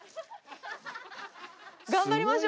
頑張りましょう。